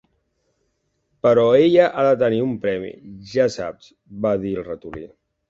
"Però ella ha de tenir un premi, ja saps", va dir el Ratolí.